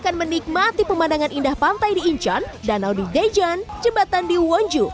nikmati pemandangan indah pantai di incheon danau di daejeon jembatan di wonju